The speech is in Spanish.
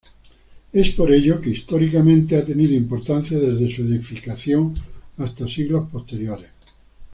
Es por ello que históricamente ha tenido importancia desde su edificación hasta siglos posteriores.